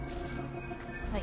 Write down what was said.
はい。